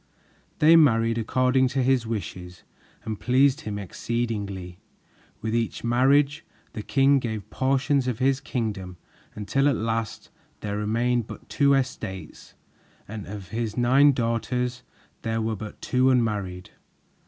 They married according to his wishes and pleased him exceedingly. With each marriage, the king gave portions of his kingdom, until at length there remained but two estates, and of his nine daughters there were but two unmarried.